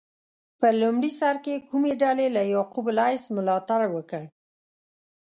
په لومړي سر کې کومې ډلې له یعقوب لیث ملاتړ وکړ؟